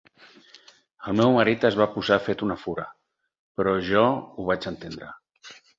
El meu marit es va posar fet una fura, però jo ho vaig entendre.